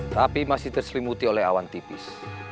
tapi masih terselimuti oleh awan tipis